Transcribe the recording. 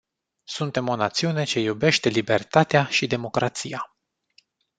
Suntem o națiune ce iubește libertatea și democrația.